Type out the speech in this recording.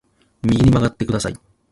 右に曲がってください